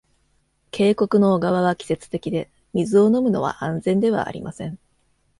渓谷の小川は季節的で、水を飲むのは安全ではありません。